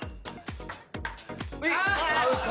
あっ！